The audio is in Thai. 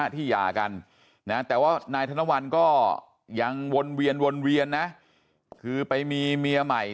ที่ยากันแต่ว่านายธนวรก็ยังวนเวียนนะคือไปมีเมียใหม่